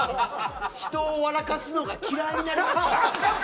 人を笑かすのが嫌いになりますから。